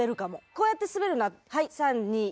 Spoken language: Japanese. こうやってスベるなあ。